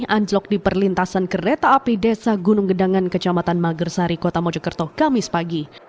anjlok di perlintasan kereta api desa gunung gedangan kecamatan magersari kota mojokerto kamis pagi